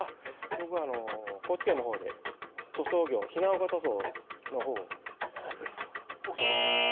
僕高知県のほうで塗装業比奈岡塗装のほうをなるほど奥さまお仕事は？